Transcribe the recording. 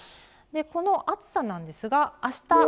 この暑さなんですが、あした。